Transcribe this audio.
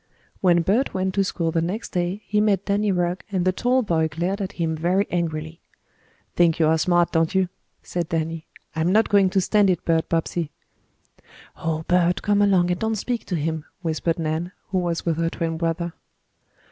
When Bert went to school the next day he met Danny Rugg and the tall boy glared at him very angrily. "Think you are smart, don't you?" said Danny. "I'm not going to stand it, Bert Bobbsey." "Oh, Bert, come along and don't speak to him," whispered Nan, who was with her twin brother.